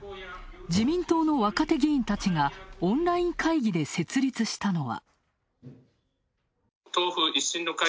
自民党の若手議員たちがオンライン会議で設立したのは。